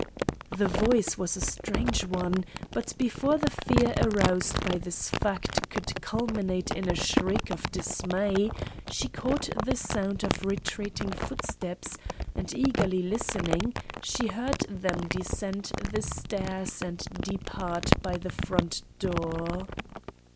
The voice was a strange one, but before the fear aroused by this fact could culminate in a shriek of dismay, she caught the sound of retreating footsteps, and, eagerly listening, she heard them descend the stairs and depart by the front door.